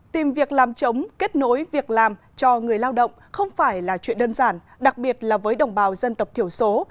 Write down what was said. tìm việc làm chống kết nối việc làm cho người lao động không phải là chuyện đơn giản đặc biệt là với đồng bào dân tộc thiểu số